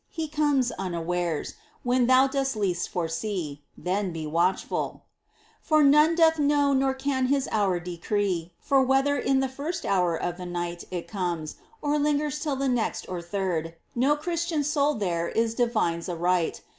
He Comes unawares, when thou dost least foresee — Then watchful be l For none doth know nor can His hour decree — For whether in the first hour of the night It comes, or lingers till the next or third. No Christian soul there is divines aright.